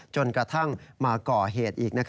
จนกระทั่งมาก่อเหตุอีก